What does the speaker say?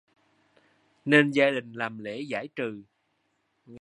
nên gia đình làm lễ giải trừ